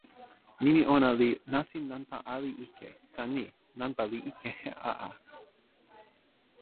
nimi ona li “nasin nanpa ali ike” tan ni: nanpa li ike, a a!